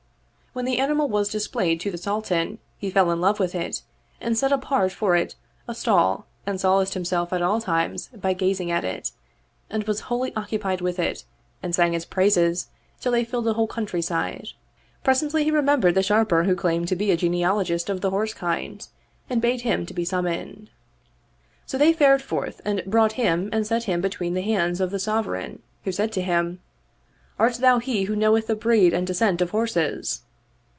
When the ani 29 Oriental Mystery Stories mal was displayed to the Sultan he fell in love with it and set apart for it a stall and solaced himself at all times by gazing at it, and was wholly occupied with it and sang its praises till they filled the whole country side. Presently he remembered the Sharper who claimed to be a genealogist of the horse kind and bade him be summoned. So they fared forth and brought him and set him between the hands of the Sovereign who said to him, "Art thou he who knoweth the breed and descent of horses?"